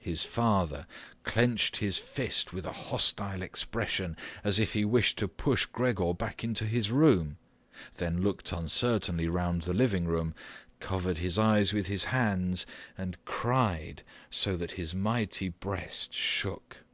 His father clenched his fist with a hostile expression, as if he wished to push Gregor back into his room, then looked uncertainly around the living room, covered his eyes with his hands, and cried so that his mighty breast shook.